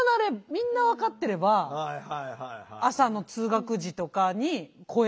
みんな分かってれば朝の通学時とかに声がけとか。